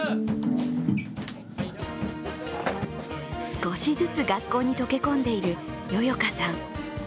少しずつ学校に溶け込んでいるＹＯＹＯＫＡさん。